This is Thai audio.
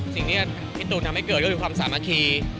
สิ่งที่พี่ตูนทำให้เกิดก็คือความสามัคคี